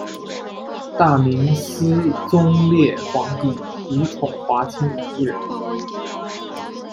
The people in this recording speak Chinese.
大明思宗烈皇帝独宠华清夫人。